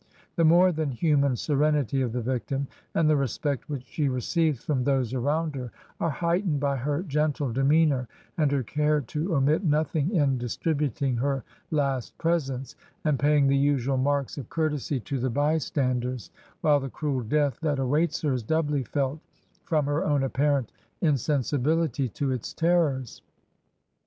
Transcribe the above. The more than human serenity of the victim, and the respect which she re ceives from those around her, are heightened by her gentle demeanor and her care to omit nothing in dis tributing her last presents, and paying the usual marks of courtesy to the bystanders ; while the cruel death that awaits her is doubly felt from her own apparent insensi bility to its terrors.